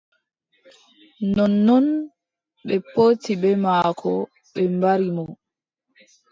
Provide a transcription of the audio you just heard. Nonnon ɓe potti bee maako ɓe mbari mo.